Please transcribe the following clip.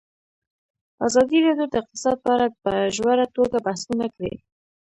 ازادي راډیو د اقتصاد په اړه په ژوره توګه بحثونه کړي.